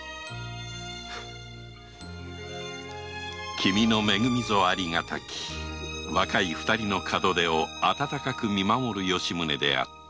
君の恵みぞありがたき若い二人の門出をあたたかく見守る吉宗であった